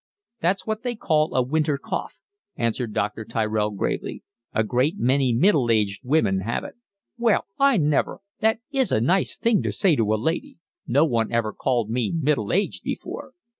"It's what they call a winter cough," answered Dr. Tyrell gravely. "A great many middle aged women have it." "Well, I never! That is a nice thing to say to a lady. No one ever called me middle aged before."